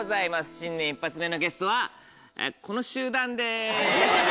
新年一発目のゲストはこの集団です。